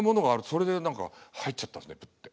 それで何か入っちゃったんですプッて。